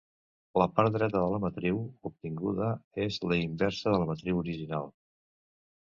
La part dreta de la matriu obtinguda és la inversa de la matriu original.